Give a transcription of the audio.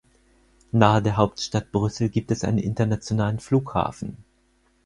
Nahe der Hauptstadt Brüssel gibt es einen internationalen Flughafen.